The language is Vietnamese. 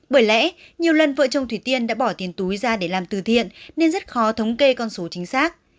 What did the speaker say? bởi lẽ nhiều lần vợ chồng thủy tiên đã bỏ tiền túi ra để làm từ thiện nên rất khó thống kê con số chính xác